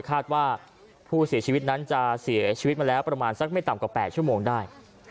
คาดว่าผู้เสียชีวิตนั้นจะเสียชีวิตมาแล้วประมาณสักไม่ต่ำกว่า๘ชั่วโมงได้